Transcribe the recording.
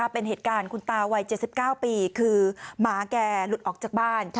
เป็นเหตุการณ์คุณตาวัย๗๙ปีคือหมาแกหลุดออกจากบ้าน